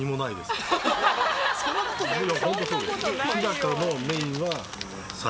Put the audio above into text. そんなことないよ。